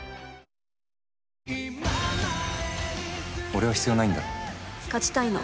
俺は必要ないんだろ。